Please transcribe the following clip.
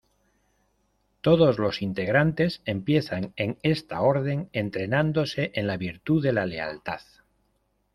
Todos los integrantes empiezan en esta orden, entrenándose en la virtud de la lealtad.